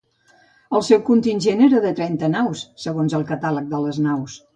El seu contingent era de trenta naus, segons el Catàleg de les naus.